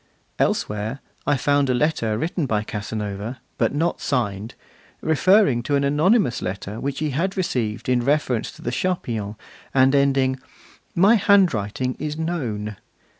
Elsewhere, I found a letter written by Casanova, but not signed, referring to an anonymous letter which he had received in reference to the Charpillons, and ending: 'My handwriting is known.